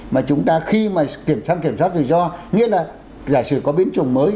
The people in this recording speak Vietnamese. mà chúng ta khi mà kiểm soát rủi ro nghĩa là giả sử có biến chủng mới